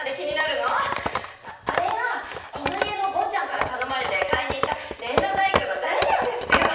あれはこの家の坊ちゃんから頼まれて買いに行った粘土細工の材料ですよ。